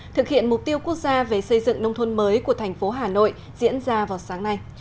thực hiện mục tiêu quốc gia về xây dựng nông thôn mới của thành phố hà nội diễn ra vào sáng nay